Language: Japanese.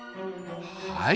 はい。